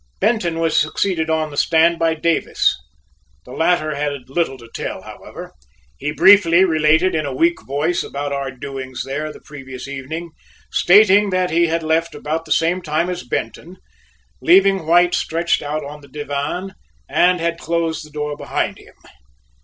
Benton was succeeded on the stand by Davis. The latter had little to tell, however. He briefly related in a weak voice about our doings there the previous evening, stating that he had left about the same time as Benton, leaving White stretched out on the divan, and had closed the door behind him.